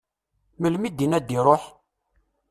Melmi i d-inna ad d-iruḥ?